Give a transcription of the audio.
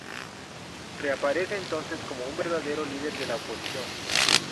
Reaparece entonces como un verdadero líder de la oposición.